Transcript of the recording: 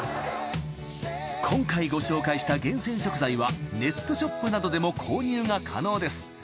今回ご紹介した厳選食材はネットショップなどでも購入が可能です。